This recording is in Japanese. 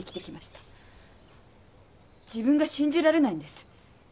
自分が信じられないんです。